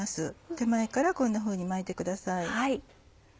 手前からこんなふうに巻いてください。